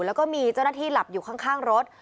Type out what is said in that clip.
แล้วก็มีเจ้าหน้าที่หลับอยู่ข้างรถ